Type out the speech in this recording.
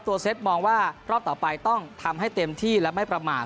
เซตมองว่ารอบต่อไปต้องทำให้เต็มที่และไม่ประมาท